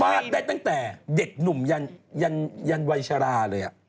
ได้ตั้งแต่เด็กหนุ่มยันยันวัยชราเลย